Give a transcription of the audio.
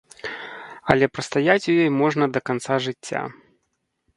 Але прастаяць у ёй можна да канца жыцця.